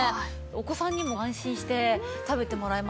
お子さんにも安心して食べてもらえますしね。